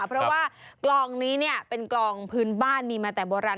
เพราะว่ากลองนี้เป็นกลองพื้นบ้านมีมาแต่โบราณ